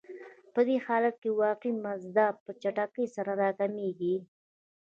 په دې حالت کې واقعي مزد په چټکۍ سره راکمېږي